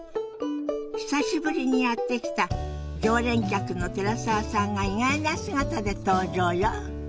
久しぶりにやって来た常連客の寺澤さんが意外な姿で登場よ。